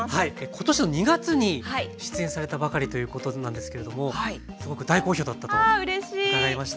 今年の２月に出演されたばかりということなんですけれどもすごく大好評だったと伺いました。